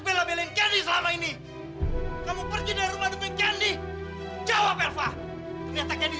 udah sekarang kita pulang